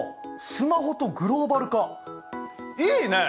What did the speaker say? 「スマホとグローバル化」いいね！